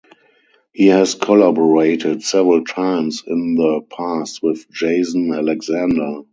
He has collaborated several times in the past with Jason Alexander.